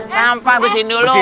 sampah bersihin dulu